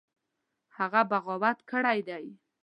هغه بغاوت کړی دی.